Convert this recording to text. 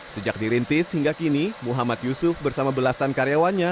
sejak dirintis hingga kini muhammad yusuf bersama belasan karyawannya